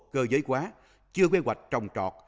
cơ giới hóa chưa kế hoạch trồng trọt